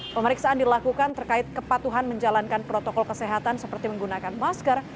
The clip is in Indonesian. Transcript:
pemeriksaan dilakukan terkait kepatuhan menjalankan protokol kesehatan seperti menggunakan masker